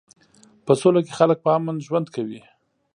په سوله کې خلک په امن ژوند کوي.